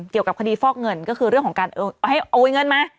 เกี่ยวกับคดีฟอกเงินก็คือเรื่องของการให้โอนเงินมา